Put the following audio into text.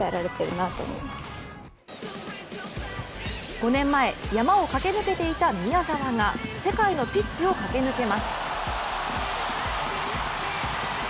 ５年前、山を駆け抜けていた宮澤が世界のピッチを駆け抜けます。